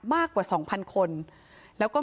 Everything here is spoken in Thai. มากกว่า๒๐๐คนแล้วก็